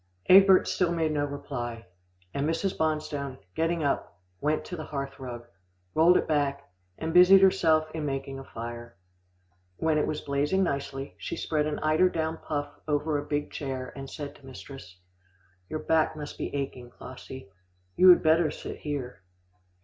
'" Egbert still made no reply, and Mrs. Bonstone, getting up, went to the hearth rug, rolled it back, and busied herself in making a fire. When it was blazing nicely, she spread an eider down puff over a big chair, and said to mistress, "Your back must be aching, Clossie. You would better sit here."